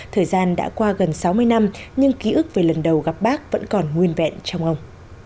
thời gian đã qua gần sáu mươi năm nhưng ký ức về lần đầu gặp bác vẫn còn nguyên vẹn trong ông